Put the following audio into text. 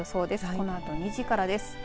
このあと２時からです。